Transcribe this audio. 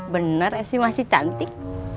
bener esi masih cantik